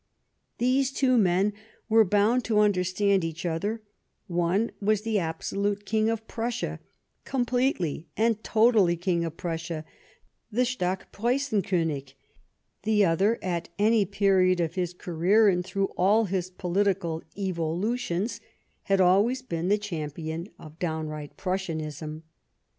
These two men were bound to understand each other ; one was the absolute King of Prussia — completely and totally King of Prussia, the Stock preussenkonig; the other, at any period of his career and througli all his political evolutions, had always been the champion of downright Prussianism.